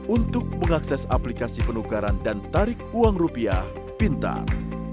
untuk mengakses aplikasi penukaran dan tarik uang rupiah pintar